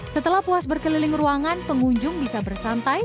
setelah puas berkeliling ruangan pengunjung bisa bersantai